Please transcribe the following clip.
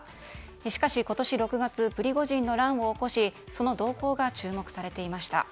しかし今年６月プリゴジンの乱を起こしその動向が注目されていました。